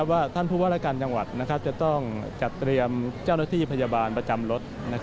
ว่าท่านผู้ว่ารายการจังหวัดจะต้องจัดเตรียมเจ้าหน้าที่พยาบาลประจำรถ